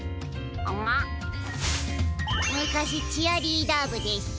むかしチアリーダーぶでした。